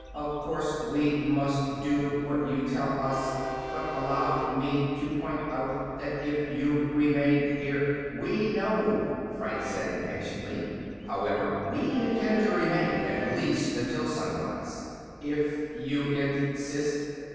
"Of course we must do what you tell us, but allow me to point out that if you remain here " "We know," Franks said impatiently. "However, we intend to remain, at least until sunrise." "If you insist."